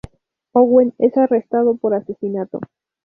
Owen es arrestado por asesinato.